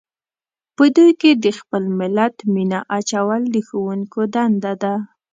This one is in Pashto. په دوی کې د خپل ملت مینه اچول د ښوونکو دنده ده.